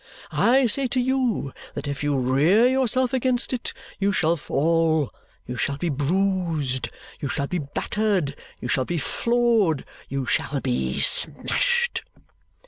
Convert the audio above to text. I say to you that if you rear yourself against it, you shall fall, you shall be bruised, you shall be battered, you shall be flawed, you shall be smashed."